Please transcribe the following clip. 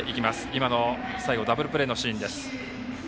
今の最後ダブルプレーのシーンです。